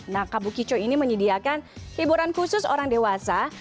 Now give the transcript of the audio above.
nah kabukico ini menyediakan hiburan khusus orang dewasa